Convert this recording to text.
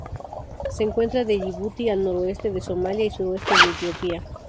Se encuentra de Yibuti al noroeste de Somalia y sureste de Etiopía.